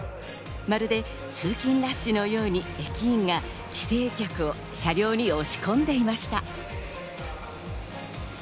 まるで通勤ラッシュのように駅員が帰省客を車両に押し込んでいました。